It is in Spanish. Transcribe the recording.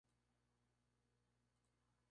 Algunas especies poseen ambos tipos de trampas.